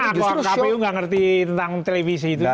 kenapa kpu nggak ngerti tentang televisi itu